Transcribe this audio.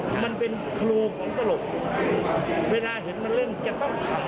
ทำไมเราถึงไม่ได้ช่วยอยู่ละเขา